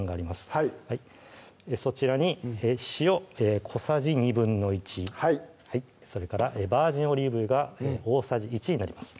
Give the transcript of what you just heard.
はいそちらに塩小さじ１／２はいそれからバージンオリーブ油が大さじ１になります